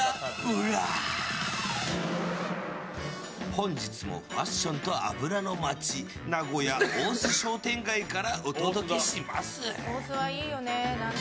本日もファッションと脂の街名古屋・大須商店街からお届けします。